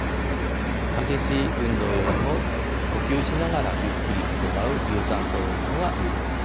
激しい運動よりも呼吸しながらゆっくり行う有酸素運動が有効です。